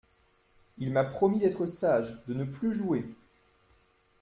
Il m'a promis d'être sage, de ne plus jouer.